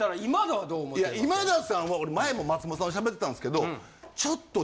今田さんは俺前も松本さんと喋ってたんですけどちょっと。